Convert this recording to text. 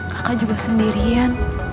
kakak juga sendirian